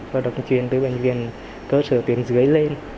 và được chuyển từ bệnh viện cơ sở tuyến dưới lên